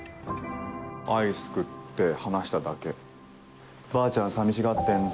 アイス食って話しただけ「ばあちゃん寂しがってんぞ」